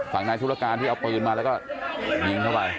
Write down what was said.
ฝั่งนายธุรการที่เอาปืนมาแล้วก็ยิงเข้าไป